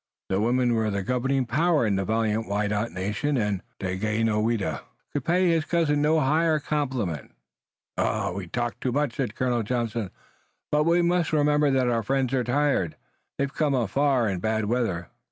The women were the governing power in the valiant Wyandot nation, and Daganoweda could pay his cousin no higher compliment. "We talk much," said Colonel Johnson, "but we must remember that our friends are tired. They've come afar in bad weather.